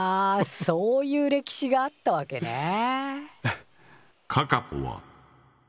あそういう歴史があったわけね。